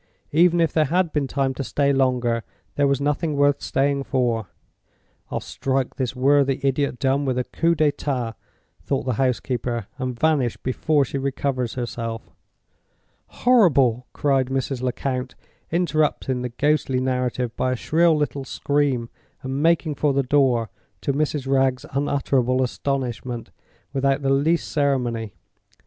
Even if there had been time to stay longer, there was nothing worth staying for. "I'll strike this worthy idiot dumb with a coup d'etat," thought the housekeeper, "and vanish before she recovers herself." "Horrible!" cried Mrs. Lecount, interrupting the ghostly narrative by a shrill little scream and making for the door, to Mrs. Wragge's unutterable astonishment, without the least ceremony.